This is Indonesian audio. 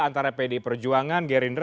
antara pd perjuangan gerinder